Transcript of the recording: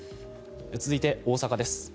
続いて大阪です。